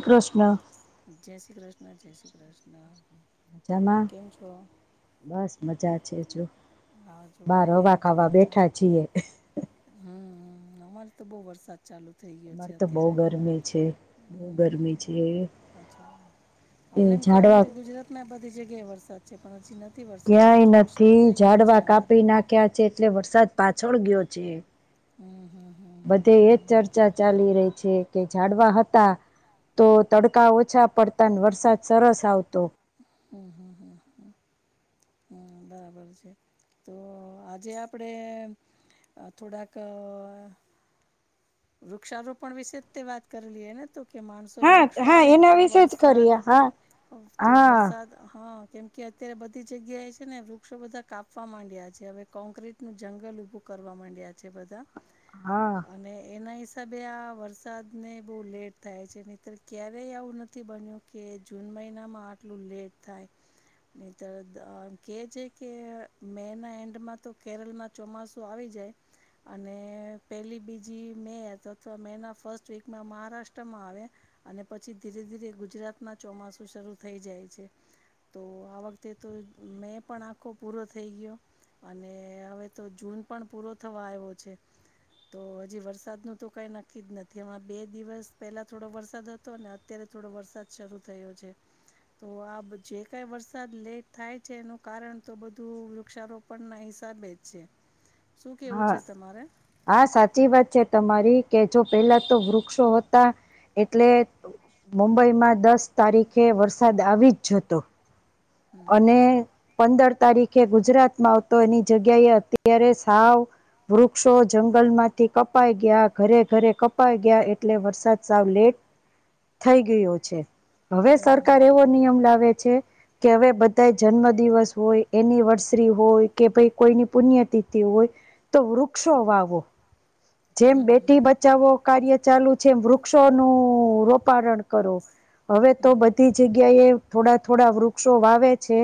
એકષ જય શ્રી કૃષ્ણ જય શ્રી કૃષ્ણ મજામાં કેમ છો બસ મજા છે જો. આ જોવો બાર અમેય હવા એકદમ ખાવા બેઠા મજામાં. છીએ અમારે તો બહુ વરસા અમારે તો બહુ ગરમી છે બહુ ગરમી છે એ અચ્છા અમને એમ કેવા ઝાડવા વખતે ગુજરાત માં બધી જગ્યાએ વરસાદ છે પણ હજી નથી વરસાદ અહીંયા ક્યાંય થોડોક શરૂ નથી થઈ ગયો છે ઝાડવા અમારે કાપી નાખ્યા છે એટલે વરસાદ પાછળ ગયો છે હમ હમ બધે એજ ચર્ચા ચાલી રહી છે કે ઝડવા હતા તો તડકા ઓછા પડતા વરસાદ સરસ આવતો [unintelligible] હમ બરાબર છે તો આજે આપડે થોડાક વૃક્ષારોપણ વિશે તે વાત કરીલીએ ને તો કે માણસો હા વૃક્ષ હા આવે એના તો વિશે જ કરીએ વરસાદ હા તો હા વરસાદ હા કેમ કે અત્યારે બધી જગ્યા એ છે ને વૃક્ષો બધા કાપવા માંડ્યા છે હવે કોક્રીટ નું જંગલ ઉભું કર કરવા માંડ્યા છે બધા હા અને એના હિસાબે આ વરસાદ ને બહુ લેટ થાય છે તર ક્યારેય આવું નથી બન્યું કે જૂન મહિનામાં આટલું લેટ થાય તર કે છે કે મે ના એન્ડમાં તો કેરળમાં ચોમાસું આવી અને પેલી બીજ જી મે અથવા મે ના ફર્સ્ટ વીકમાં મહારાષ્ટ્રમાં આવે અને પછી ધીરે ધીરે ગુજરાત ગુજરાત ના ચોમાસુ શરૂ થઈ જાય છે તો આ વખતે તો મેં પણ આખો પૂરો થઈ ગયો અને હવે તો જૂન પણ પૂરો થવા આવ્યો છે તો જે વરસાદનું તો કાંઈ નક્કી જ નથી આમાં બે દિવસ પહેલા થોડો વરસાદ હતો ને અત્યારે થોડો વરસાદ શરૂ થયો છે તો આ જે કઈ વરસાદ લેટ થાય છે એનું કારણ તો બધું વૃક્ષારોપણ ના સા બેજ છે શું કેવું હા છે તમારે હા સાચી વાત છે તમારી કે જો પેલા તો વૃક્ષો હતા એટલે મુંબઈમાં દસ તારીખે વરસાદ આવી જતો હમ અને પંદર તારીખે ગુજરાતમાં આવતો એની જગ્યાએ અત્યારે સાવ વૃક્ષો જંગલ માંથી કપાઈ ગયા ઘરે ઘરે કપાઈ ગયા એટલે વરસાદ સાવ લેટ [inaudible] થઈ ગયો છે, હવે સરકાર હમ એવો નિયમ લાવે છે. કે હવે બધા જન્મદિવસ હોય એનિવર્સરી હોય કે ભાઈ કોઈની પુણ્યતિથિ હોય તો વૃક્ષો વાવો, હમ જેમ બેટી હમ બચાવો કાર્ય ચાલુ છે, વૃક્ષોનું રોપારણ કરો હવે તો બધી જગ્યાએ થોડા થોડા વૃક્ષો વાવે છે.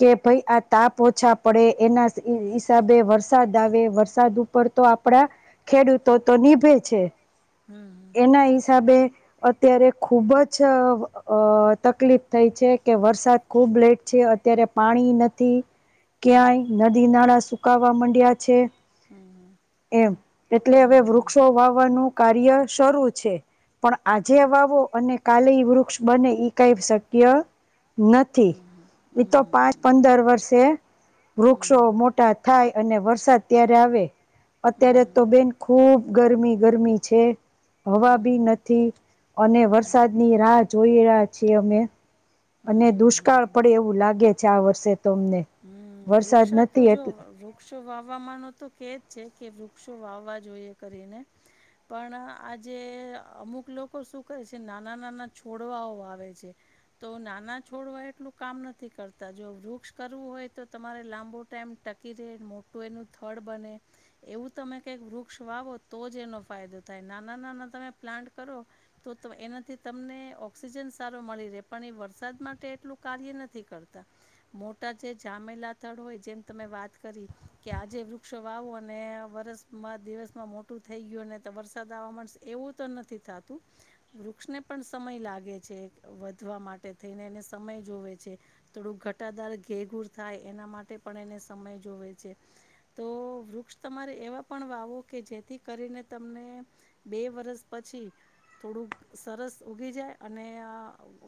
કે ભાઈ આ તાપ ઓછા પડે એના ઇ હિસાબે વરસાદ આવે વરસાદ ઉપર તો આપડા ખેડૂતો તો નિભે છે, હમ એના હિસાબે અત્યારે ખુબ જ અ તકલીફ થઈ છે. કે વરસાદ ખુબ લેટ છે, અત્યારે પાણી નથી હમ ક્યાંય નદી નાળા સુ કાવા માંડ્યા છે, હમ એમ એટલે હવે હમ વૃક્ષો વાવ ન કાર્ય શરૂ છે. પણ આજે વાવો અને કાલેય વૃક્ષ બને ઈ કઈ શક્ય હમ હમ નથી તો હમ પાંચ હમ પંદર વર્ષે વૃક્ષો હમ મોટા થાય અને વરસાદ ત્યારે આવે હમ હમ હમ હમ હમ હમ અત્યારે તો બેન ખૂબ ગરમી ગરમી છે. હવા બી હમ નથી અને હમ વરસાદની રાહ જોઈ રહ્યા છીએ અમે અને હમ હમ દુષ્કાળ હમ પડે એવું લાગે છે, આ વર્ષે તો અમને હમ વરસાદ વૃક્ષા તો નથી જો એટ વૃક્ષો વાવામાનો તો કેજ છે. કે વૃક્ષો વાવવા જોઈએ કરીને. પણ આજે અમુક લોકો શું કરે છે, નાના નાના છોડવાઓ આવે છે. તો નાના છોડવા એટલું કામ નથી કરતા જો વૃક્ષ કરવું હોય તો તમારે લાંબો ટાઈમ ટકી રહે મોટું એનું થડ બને એવું તમે કઈક વૃક્ષ વાવો તો જ એનો ફાયદો થાય નાના નાના તમે પ્લાન્ટ કરો તો એનાથી તમને ઓક્સિ જન સારો મળી રે પણ એ વરસાદ માટે એટલું કાર્ય નથી કરતા મોટા જે ઝા મહિના ત્રણ હોય જેમ તમે વાત કરી કે આજે વૃક્ષો વાવો અને વરસમાં દિવસમાં મોટું થઈ ગયું ને તો વરસાદ આવામા એવું તો નથી થતું વૃક્ષને પણ સમય લાગે વધવા માટે થઈને એ સમય જોવે છે, થોડું ઘટાદાર ઘેઘુર થાય એના માટે પણ એને સમય જોવે છે, તો વૃક્ષ તમારે એવા પણ વાવો કે કે જેથી કરીને તમને બે વર્ષ પછી થોડું સરસ ઉગી જાય અને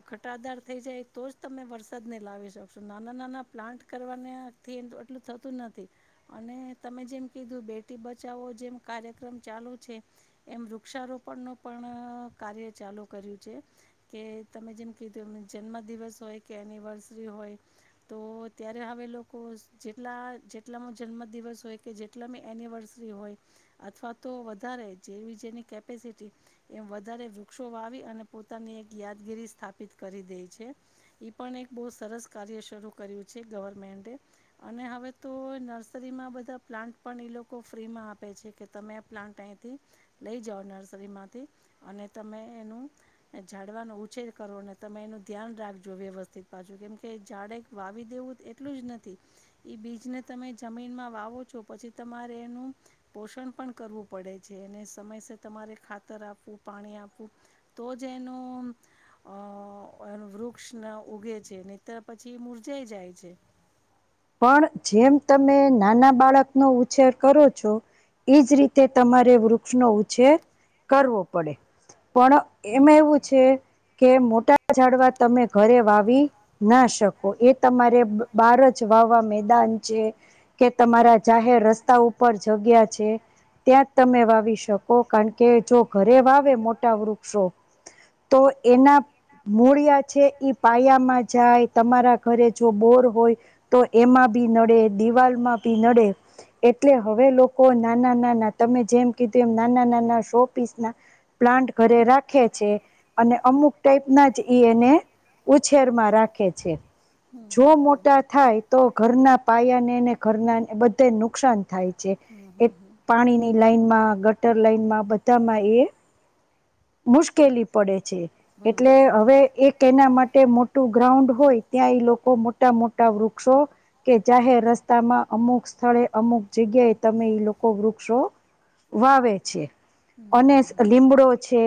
ઘટાદાર થઈ જાય તો જ તમે વરસાદ નહી લાવી શકશો નાના નાના પ્લાન્ટ કરવાના થ એ એટલું થતું નથી અને તમે જેમ કીધું બેટી બચાવો જેમ કાર્યક્રમ ચાલુ છે, એમ વૃક્ષારોપણ નું પણ કાર્ય ચાલુ કર્યું છે. કે તમે જેમ કીધું જન્મ દિવસ હોય કે એનિવર્સરી હોય તો ત્યારે હવે લોકો જેટલા જેટલામાં જન્મદિવસ હોય કે જેટલા મે એનિવર્સરી અથવા તો વધારે જેવી જેની કેપેસીટી એમ વધારે વૃક્ષો વાવી અને પોતાની એક યાદગીરી સ્થાપિત કરી દે છે, પણ એક બહુ સરસ કાર્ય શરૂ કર્યું છે, ગવર્મેન્ટે અને હવે તો નર્સરીમાં બધા પ્લાન્ટ પણ એ લોકો ફ્રીમાં આપે છે, કે તમે આ પ્લાન્ટ અહીંથી લઈ જાઓ નર્સરીમાંથી અને તમે એનું ઝડવાનો ઉછેર કરો ને તમે એનું ધ્યાન રાખજો વ્યવસ્થિત પાજુ કેમ કે ઝાડે વાવી દેવું એટલું જ નથી એ બીજને તમે જમીનમાં વાવો છો પછી તમારે એનું પોષણ પણ કરવું પડે છે, અનેને સમયસ તમારે ખાતર આપવું, પાણી આપવું, તો જ એનું અ વૃક્ષ ઉગે છે, નિત પછી કે મુર્જાઈ જાય છે. પણ જેમ તમે નાના બાળકનો ઉછેર કરો છો એજ રીતે તમારે વૃક્ષ નો ઉછેર કરવો પડે પણ હમ એમાં એવું છે, કે મો ટા જાડવા તમે ઘરે વાવી ના શકો એ તમારે બાર છે, વાવા મેદાન છે, કે તમારા જાહેર રસ્તા ઉપર જગ્યા છે. ત્યાં જ તમે વાવી શકો કારણ કે જો ઘરે વાવે મોટા વૃક્ષો તો એના મૂળિયા છે, ઈ પાયામાં જાય તમારા ઘરે જો બોર હોય તો એમાં ભી નડે દિવાલમાં ભી નડે એટલે હવે લોકો નાના નાના તમે જેમ કીધું એમ નાના નાના શો પીસ ના પ્લાન્ટ ઘરે રા ખે છે, અને અમુક ટાઈપ ના જ ઈ એને ઉછેર માં રાખે છે. હમ જો હમ હમ મોટા થાય તો ઘરના પાયાને ને ઘરના બધે નુકસાન થાય છે, હમ હમ એક હમ પાણીની લાઈનમાં ગટર લાઈનમાં બધામાં એ હમ હમ મુશ્કેલી પડે છે, એટલે હમ હવે એક એના માટે મોટું ગ્રાઉન્ડ હોય ત્યાંય લોકો મોટા મોટા વૃક્ષો કે જાહેર રસ્તામાં અમુક સ્થળે અમુક જ જગ્યાએ તમે એ લોકો વૃક્ષો વાવે છે, અને હમ હમ લીમડો છે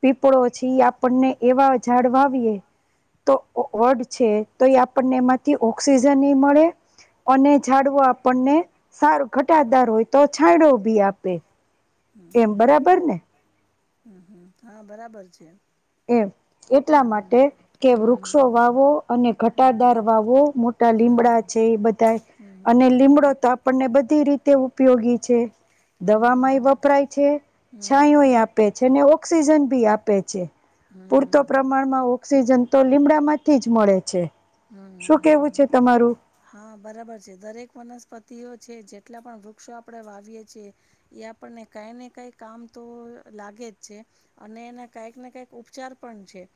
પીપળો છી આપણને એવા ઝાડ વાવીએ તો વડ છે, તો એ આપણને એમાંથી ઓક્સિજન ને મળે અને ઝાડવો આપણને સારું ઘટાદાર હોય તો છાંયડો બી આપે એમ બરાબર ને? હમ હમ હા બરાબર છે. એમ. એટલા હમ માટે કે વૃક્ષો હમ વાવો અને ઘટાદાર વાવો મોટા હમ હમ હમ લીમડા છે, એ બધા હમ અને હમ લીમડો તો આપણને બધી રી તે ઉપયોગી છે, દવામાં એ વપરાય છે, હમ હમ છાયો એ આપે છે, ને ઓ ઓક્સિજન ભી આપે છે, હમ પૂરતો હમ પ્રમાણમાં ઓક્સિજન તો લીમડામાંથી જ મળે છે, હમ શું કેવું હમ છે, હમ તમારું? હા બરાબર છે, દરેક વનસ્પતિઓ છે, જેટલા પણ વૃક્ષો આપણે વાવીએ છીએ એ આપણને ક કઈ ને કઈ કામ તો લાગે જ છે, અને એના કઈક ને કઈક ઉપચાર પણ છે.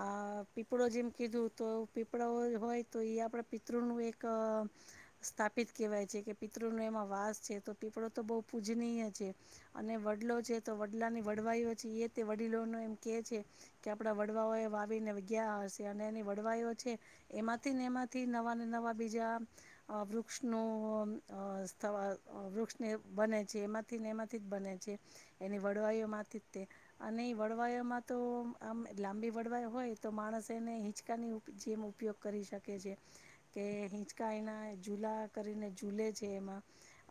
આ પીપળો જેમ કીધું તો પીપળા હોય હોય તો એ આપડે પિતૃ નું એક સ્થાપિત કેહેવાય છે, કે પિતૃને એ મા વાસ છે, તો પીપળો તો બો પૂજનીય છે, અને વડલો છે, તો વડલા ની વડવાઈઓછી એ તે વડીલોનો એમ કે છે, કે આપડા વડવાઓ એ વાવીને ગયા હશે અને એની વડવાઈઓ છે, એમાંથી ને એમાંથી નવાને નવા બીજા અ વૃક્ષનો અ તાવા વૃક્ષને બને છે, એમાંથી ને એમાંથી જ બને છે, એની વળવાઈઓમાંથી જ તે અને એ વળવાયોમાં તો આમ લાંબી વળવાયો હોય તો માણસ એને હિંચકાની જેમ ઉપયોગ કરી શકે છે, કે હિંચકા એના ઝૂલા કરીને ઝૂલે છે.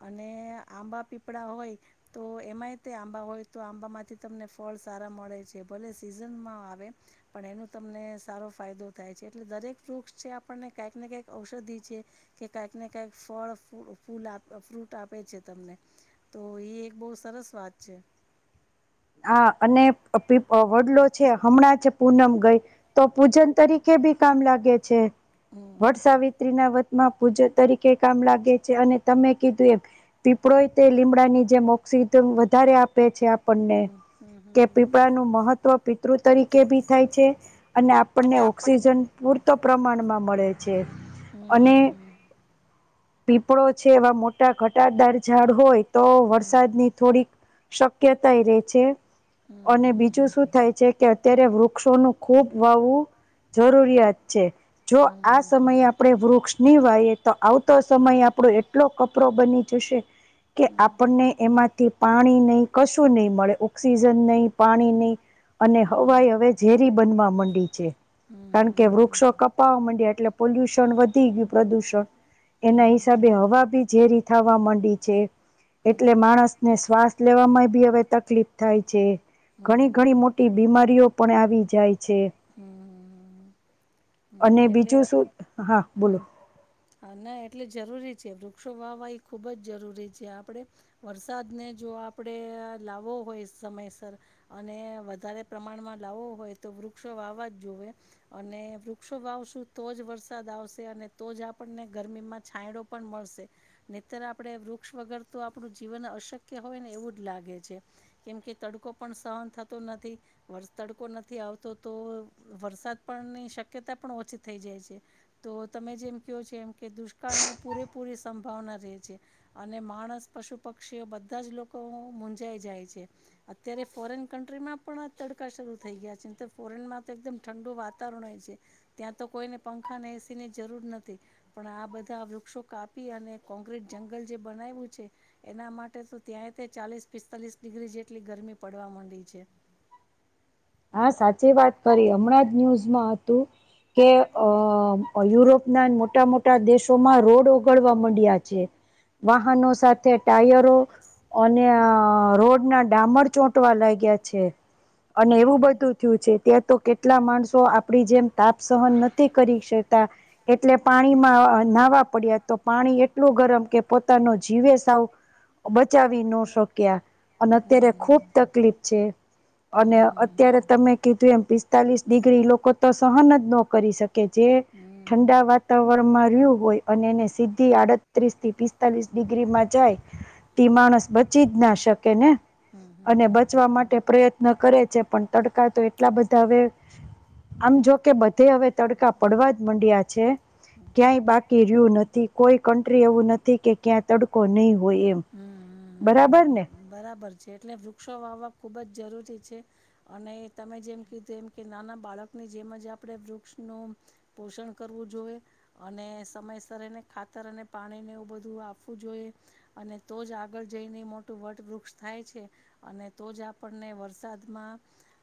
અને આંબા પીપળા હોય તો એમાંય તે આંબા હોય તો આંબા માંથી ત ને ફળ સારા મળે છે, ભલે સીઝનમાં આવે પણ એનો તમને સારો ફાયદો થાય છે, એટલે દરેક વૃક્ષ છે, આપણને કાઈકને કાઈક ઔષધિ છે, કે કાઈક ને કાઈક ફળ ફૂલ આ ફ્રૂટ આપે છે, તમને તો એ એક બો સરસ વાત છે. [inaudible] હા અને અ પી વડલો છે, હમણાં જ પૂનમ ગઈ તો પૂજન તરીકે ભી કામ લાગે છે, હમ વડ સાાવિત્રી ના વ માં પૂજ તરીકે કામ લાગે છે, અને તમે કીધું એમ પીપળોય તે લીમડાની જે ઓ [unintelligible] વધારે આપે છે. આપને હમ કે હમ પીપળા નું મહત્વ પિતૃ તરીકે ભી થાય છે. અને આપણને ઓક્સિજન પૂરતો પ્રમાણમાં મળે છે અને હમ પીપળો છે, એવા મોટા ઘટાદાર ઝાડ હોય તો વરસાદની થોડીક શક્યતાય રે છે, અને બીજું શું થાય છે કે અત્યારે વૃક્ષોનું ખૂબ વાવવું જરૂરિયાત છે. જો આ હમ સમયે આપડે વૃક્ષ નિવાઈ એ તો આવતો સમય આપડો એટલો કપરો બની જશે કે હમ આપણને એમાંથી પાણી નઈ કશું ની મળે. ઓક્સિજન નઈ, પાણી નઈ અને હવાઈ હવે ઝેરી બનવા મંડી છે. હમ હમ હમ હમ કારણ કે વૃક્ષો કપાવા મંડ્યા એટલે પોલ્યુશન વધી ગયું પ્રદુષણ હમ હમ એના હમ હિસાબે હવા ભી ઝેરી થવા મંડી છે. એટલે માણસને શ્વાસ લેવામાય ભી હવે તકલીફ થાય છે. ઘણી હમ હમ ઘણી મોટી બીમારીઓ પણ આવી જાય છે. હમ હમ અને હમ એટલે બીજું શું. હા, બોલો. હમ હા ના [unintelligible] છે. વૃક્ષો વાવા ખુબ જ જરૂરી છે. આ આપડે વરસાદને જો આપડે લાવો હોય સમયસર અને વધારે પ્રમાણમાં લાવો હોય તો વૃક્ષો વાવા જ જુવે અને વૃક્ષો વાવશુ તો જ વરસાદ દાવશે અને તો જ આપડને ગરમીમાં છાયડો પણ મળશે. નઈતર આપડે વૃક્ષ વગર તો આપડુ જીવન અશક્ય હોય ને એવું જ લાગે છે. કેમ કે તડકો પણ સહન થતો નથી વર્ષ તડકો નથી આવતો તો વરસાદ પણ ની શક્યતા પણ ઓછી થઈ જાય છે. તો તમે જેમ કયો છો એમ કે દુષ્કાળની પૂરેપૂરી સંભાવના રહે છે, અને માણસ પશુ-પક્ષીઓ બધા જ લોકો મુંજાઈ જાય છે. અત્યારે ફોરેન કન્ટ્રીમાં પણ [unintelligible] થઈ ગયા છે, ફોરેનમાં તો એકમ ઠંડુ વાતાવરણ હોય છે, ત્યાં તો કોઈને પંખા ને એ સી ની જરૂર નથી પણ આ બધા વૃક્ષો કાપી અને કોંક્રીટ જંગલ જે બનાવ્યું છે. એના માટે તો ત્યાં તે ચાલીસ-પિસ્તાલીસ ડિગ્રી જેટલી ગરમી પડવા મંડી છે. [inaudible] હા, સાચી વાત કરી. હમણાં જ ન્યુઝમાં હતું કે અ યુરોપના મોટા-મોટા દેશોમાં રોડ ઓગળવા મંડ્યા છે. વાહનો સાથે ટાયરો અને અ રોડના ડામર ચોંટવા લાગ્યા છે. હમ. [unintelligible] ત્યાં તો કેટલા માણસો આપડી જેમ તાપ સહન નથી કરી શકતા એટલે પાણીમાં અ નાહવા પડ્યા, તો પાણી એટલું ગરમ કે પોતાનો જીવય સાવ બચાવી ન શક્યા. અન હમ અત્યારે હમ ખુબ હમ હમ હમ તકલીફ છે. અને અત્યારે તમે કીધું એમ પિસ્તાલીસ ડિગ્રી લોકો તો સહન જ ન કરી શકે. જે હમ ઠંડા વાતાવરણમાં રયુ હોય અને એને સીધી આડત્રીસ થી પિસ્તાલીસ ડિગ્રીમાં જાય તે માણસ બચી જ ના શકે ને. હમ હમ અને હમ બચવા હા માટે પ્રયત્ન કરે છે, પણ તડકા તો એટલા બધા હવે આમ જો કે બધે હવે તડકા પડવા જ મંડ્યા છે. ક્યાંય બાકી રહ્યું નથી, કોઈ કન્ટ્રી એવું નથી કે ક્યાં તડકો ની હોય એમ. બરાબરને. હમ બરાબર છે. એટલે વૃક્ષો વાવવા ખુબ જ જરૂરી છે, અને તમે જેમ કીધું એમ કે નાના બાળકની જેમ જ આપડે વૃક્ષનું પોષણ કરવું જોએ. અને સમયસર એને ખાતર અને પાણી ને એવુ બધું આપવું જોએ. અને તો જ આગળ જઈને મોટ ટુ વટ વૃક્ષ થાય છે, અને તો જ આપડને વરસાદમાં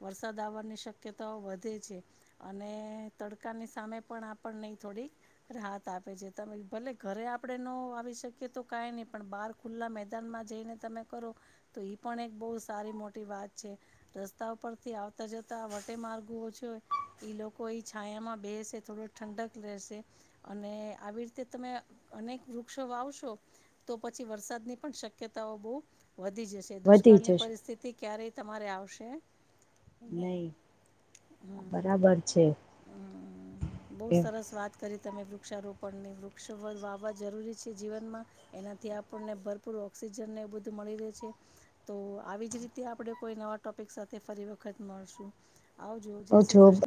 વરસાદ આવવાની શક કયતાઓ વધે છે. અને તડકાની સામે પણ આપડનેય થોડીક રાહત આપે આપે છે. તા મે ભલે ઘરે આપડે ન વાવી શકીએ તો કઈ ની. પણ બાર ખુલ્લા મેદાનમાં જઈને તમે કરો તો ઈ પણ એક બઉ સારી મોટી વાત છે. રસ્તાઓ પરથી આવતા જતા અટે મારગુઓ છ, ઈ લોકો ઈ છાયામાં બેસે થોડો ઠંડક રહેેશે અને ને આવી રીતે તમે અનેક વૃક્ષો વાવશો, તો પછી વરસાદની પણ શક્યતાઓ બઉ વધી જશે. વધી દુષ્કાળની જશે પરિસ્થિતિ ક્યારેય તમારે આવશે નહીં નઈ. બરાબર છે. હમ બહું એમ સરસ વાત કરી વૃક્ષારોપણની વૃક્ષ વાવવા જરૂરી છે જીવનમાં એનાથી આપણને ભરપૂર ઓક્સિજન મળી છે તો આવી જ રીતે આપડે કોઈ નવા ટોપિક સાથે ફરી વખત મળશે આવજો જય તો શ્રી જો કૃષ્ણ.